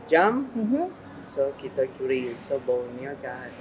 jadi kita curi jadi baunya tidak ada